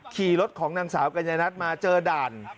ขี่รถของนางสาวกัญญานัทมาเจอด่าน